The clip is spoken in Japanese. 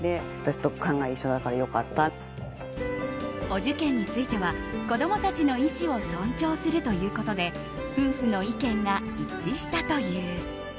お受験については子供たちの意思を尊重するということで夫婦の意見が一致したという。